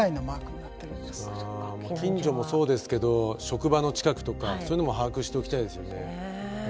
近所もそうですけど職場の近くとかそういうのも把握しておきたいですよね。